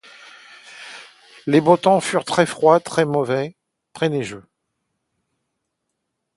Les beaux temps furent très froids ; les mauvais, très neigeux.